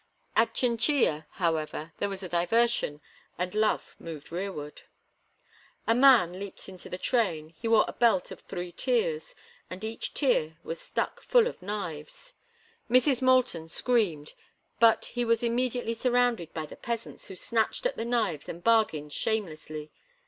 At Chinchilla, however, there was a diversion, and love moved rearward. A man leaped into the train. He wore a belt of three tiers, and each tier was stuck full of knives. Mrs. Moulton screamed; but he was immediately surrounded by the peasants, who snatched at the knives and bargained shamelessly.